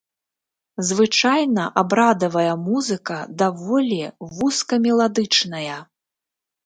Звычайна абрадавая музыка даволі вузкамеладычная.